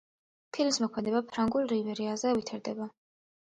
ფილმის მოქმედება ფრანგულ რივიერაზე ვითარდება.